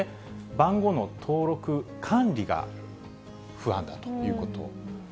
番号の登録、管理が不安だということ。